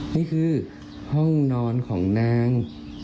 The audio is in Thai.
นี่คือห้องนอนของนาง